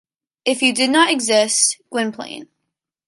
If you did not exist, Gwynplaine...